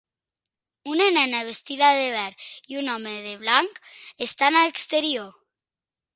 Una nena vestida de verd i un home de blanc estan a l'exterior.